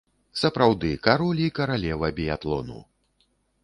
Сапраўды, кароль і каралева біятлону.